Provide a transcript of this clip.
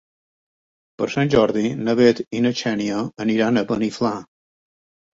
Per Sant Jordi na Bet i na Xènia aniran a Beniflà.